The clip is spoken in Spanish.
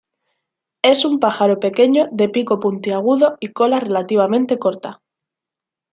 Es un pájaro pequeño de pico puntiagudo y cola relativamente corta.